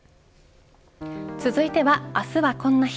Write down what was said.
続いては、あすはこんな日。